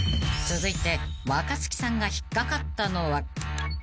［続いて若槻さんが引っ掛かったのは］